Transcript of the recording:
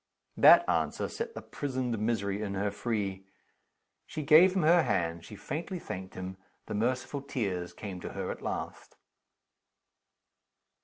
That answer set the prisoned misery in her free. She gave him her hand she faintly thanked him. The merciful tears came to her at last.